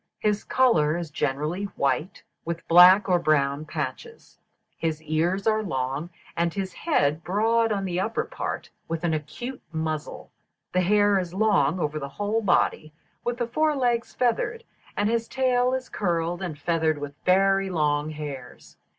His colour is generally white, with black or brown patches; his ears are long, and his head broad on the upper part, with an acute muzzle; the hair is long over the whole body, with the fore legs feathered; his tail is curled, and feathered with very long hairs.